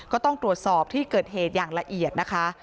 ก็ต้องตรวจสอบที่เกิดเหตุอย่างละเอียดนะคะ